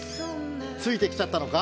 ついてきちゃったのか？